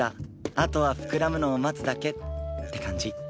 「あとは膨らむのを待つだけ」って感じ。